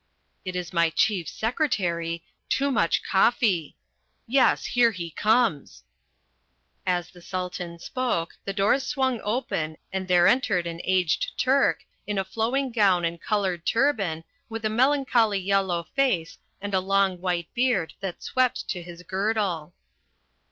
"It is my chief secretary, Toomuch Koffi. Yes, here he comes." As the Sultan spoke, the doors swung open and there entered an aged Turk, in a flowing gown and coloured turban, with a melancholy yellow face, and a long white beard that swept to his girdle.